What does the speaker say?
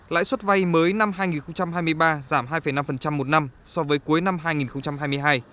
lãi suất vay mới năm hai nghìn hai mươi ba giảm hai năm một năm so với cuối năm hai nghìn hai mươi hai